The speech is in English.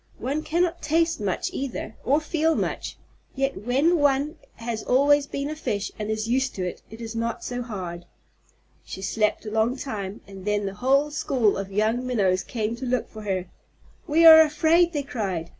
One cannot taste much either, or feel much, yet when one has always been a fish and is used to it, it is not so hard. She slept a long time, and then the whole school of young Minnows came to look for her. "We are afraid," they cried.